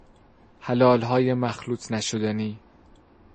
حلالهای مخلوط نشدنی